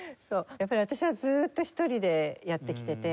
やっぱり私はずっと１人でやってきてて。